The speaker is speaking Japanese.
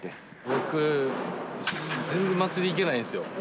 僕、全然祭り行けてないんですよ。